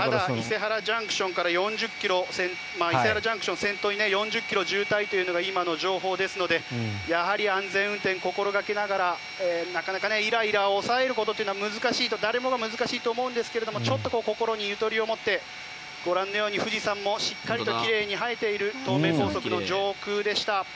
伊勢原ＪＣＴを先頭に４０ｋｍ渋滞というのが今の情報ですのでやはり安全運転を心掛けながらなかなかイライラを抑えることは誰もが難しいと思うんですがちょっと心にゆとりを持ってご覧のように富士山もしっかりと奇麗に映えている東名高速の上空でした。